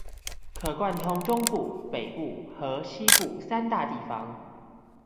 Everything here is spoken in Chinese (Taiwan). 可貫通中部、北部和西部三大地方